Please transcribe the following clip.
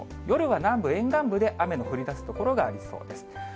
夜は南部、沿岸部で、雨の降りだす所がありそうです。